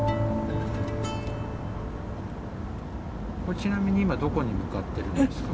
ちなみに今どこに向かっているんですか？